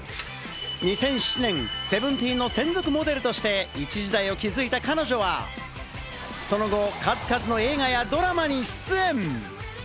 ２００７年、『Ｓｅｖｅｎｔｅｅｎ』の専属モデルとして一時代を築いた彼女は、その後、数々の映画やドラマに出演。